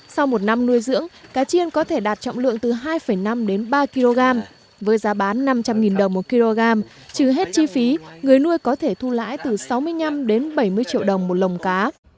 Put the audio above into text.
sau một năm nuôi dưỡng cá chiên có thể đạt trọng lượng từ hai năm đến ba kg với giá bán năm trăm linh đồng một kg trừ hết chi phí người nuôi có thể thu lãi từ sáu mươi năm đến bảy mươi triệu đồng một lồng cá